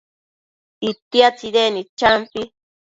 itia tsidecnid champi